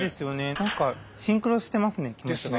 何かシンクロしてますね気持ちが。